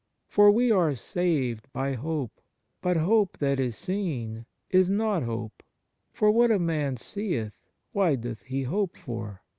For we are saved by hope. But hope that is seen, is not hope. For what a man seeth, why doth he hope for